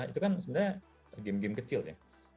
itu kan sebenarnya game game kecil ya